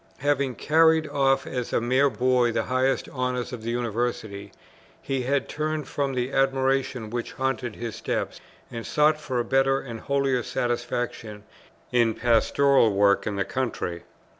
Having carried off as a mere boy the highest honours of the University, he had turned from the admiration which haunted his steps, and sought for a better and holier satisfaction in pastoral work in the country.